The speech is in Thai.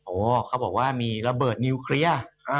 เขาบอกว่ามีระเบิดนิวเคลียร์